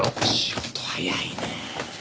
仕事速いね！